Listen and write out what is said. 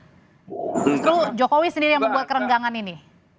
justru jokowi sendiri yang membuat kerenggangan ini